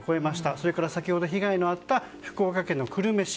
それから、先ほど被害のあった福岡県の久留米市。